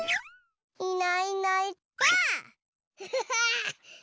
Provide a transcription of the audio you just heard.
いないいないばあっ！